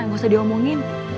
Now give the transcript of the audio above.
gak usah diomongin